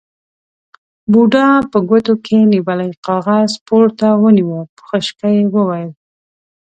بوډا په ګوتو کې نيولی کاغذ پورته ونيو، په خشکه يې وويل: